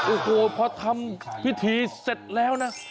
โอ้โหพอทำพิธีเสร็จแล้วนะ